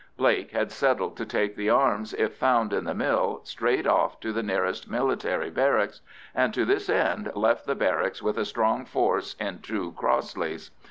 Blake had settled to take the arms, if found in the mill, straight off to the nearest military barracks, and to this end left the barracks with a strong force in two Crossleys.